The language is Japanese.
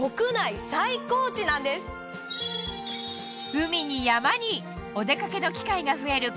海に山にお出かけの機会が増えるこれからの季節